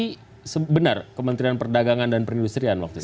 ini benar kementerian perdagangan dan perindustrian waktu itu